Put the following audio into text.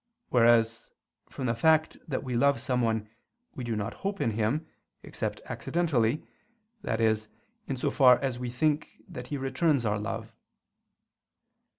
Whereas from the fact that we love someone we do not hope in him, except accidentally, that is, in so far as we think that he returns our love.